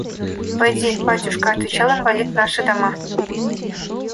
«Войди, батюшка, – отвечал инвалид, – наши дома».